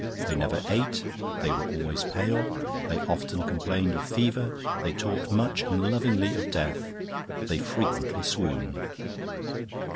They never ate, they were always pale, they often complained of fever, they talked much and lovingly of death, they frequently swooned.